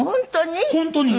本当に？